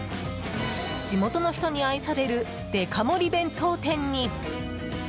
地元の人に愛されるデカ盛り弁当店に。